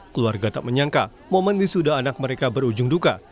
keluarga tak menyangka momen wisuda anak mereka berujung duka